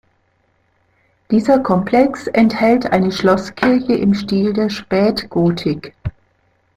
Dieser Komplex enthält eine Schlosskirche im Stil der Spätgotik.